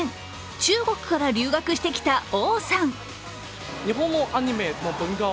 中国から留学してきた王さん。